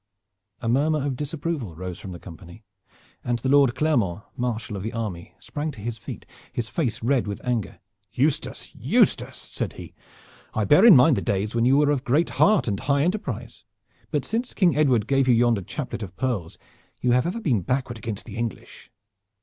A murmur of disapproval rose from the company, and the Lord Clermont, Marshal of the army, sprang to his feet, his face red with anger. "Eustace; Eustace," said he, "I bear in mind the days when you were of great heart and high enterprise, but since King Edward gave you yonder chaplet of pearls you have ever been backward against the English!"